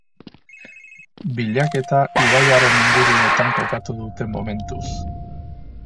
Bilaketa ibaiaren inguruetan kokatu dute momentuz.